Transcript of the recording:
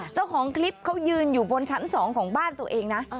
เจ้าของคลิปเขายืนอยู่บนชั้น๒ของบ้านตัวเองนะ